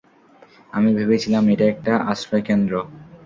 আমি ভেবেছিলাম এটা একটা আশ্রয়কেন্দ্র।